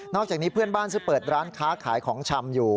อกจากนี้เพื่อนบ้านซึ่งเปิดร้านค้าขายของชำอยู่